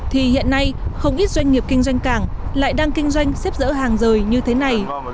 thì hiện nay không ít doanh nghiệp kinh doanh cảng lại đang kinh doanh xếp dỡ hàng rời như thế này